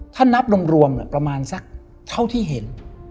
ถ้านับรวมประมาณสักเท่าที่เห็น